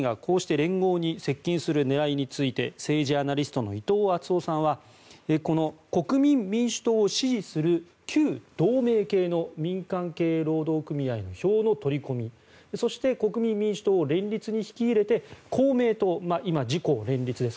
岸田総理がこうして連合に接近する狙いについて政治ジャーナリストの伊藤惇夫さんはこの国民民主党を支持する旧同盟系の民間系労働組合の票の取り込みそして国民民主党を連立に引き入れて公明党、いま自公連立です